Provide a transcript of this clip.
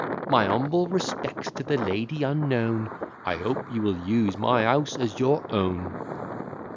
My humble respects to my lady unknown.' 'I hope you will use my house as your own.'"